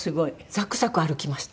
サクサク歩きました。